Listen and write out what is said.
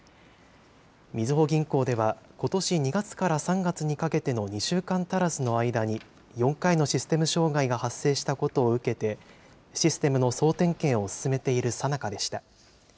みずほ銀行では、ことし２月から３月にかけての２週間足らずの間に、４回のシステム障害が発生したことを受けて、システムの総点検を進めているさなかでした。